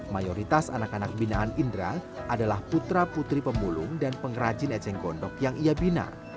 mayoritas anak anak binaan indra adalah putra putri pemulung dan pengrajin eceng gondok yang ia bina